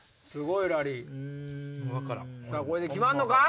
さぁこれで決まんのか？